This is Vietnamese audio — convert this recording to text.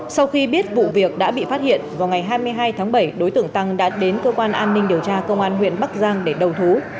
sau khi biết vụ việc đã bị phát hiện vào ngày hai mươi hai tháng bảy đối tượng tăng đã đến cơ quan an ninh điều tra công an huyện bắc giang để đầu thú